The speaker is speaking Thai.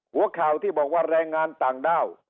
หัวข่าวที่บอกว่าแรงงานต่างด้าว